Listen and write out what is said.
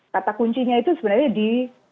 kata kuncinya itu sebenarnya di